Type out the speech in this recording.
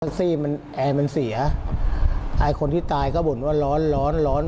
ซี่มันแอร์มันเสียไอคนที่ตายก็บ่นว่าร้อนร้อนร้อนร้อน